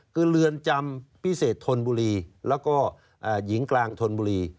คือเรือนจำพิเศษธนบุรีแล้วก็หญิงกลางธนบุรี